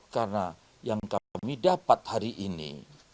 karena yang kami dapat hari ini